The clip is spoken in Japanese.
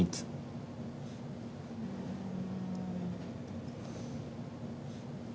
うん。